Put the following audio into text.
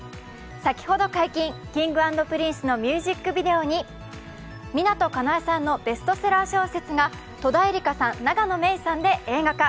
先ほど解禁、Ｋｉｎｇ＆Ｐｒｉｎｃｅのミュージックビデオに湊かなえさんのベストセラー小説が戸田恵梨香さん、永野芽郁さんで映画化。